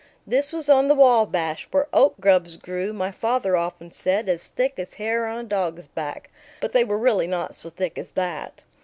This was on the Wabash, where oak grubs grew, my father often said, "as thick as hair on a dog's back;" but they were really not so thick as that.